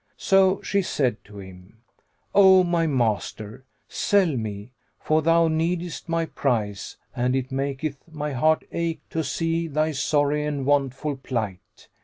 So she said to him, "O my master, sell me; for thou needest my price and it maketh my heart ache to see thy sorry and want full plight.